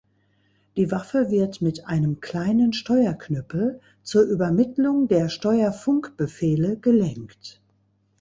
Die Waffe wird mit einem kleinen Steuerknüppel zur Übermittlung der Steuer-Funkbefehle gelenkt.